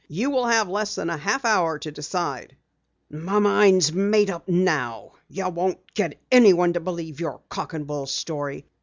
"You will have less than a half hour to decide." "My mind's made up now! You won't get anyone to believe your cock and bull story.